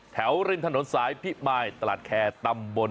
ริมถนนสายพิมายตลาดแคร์ตำบล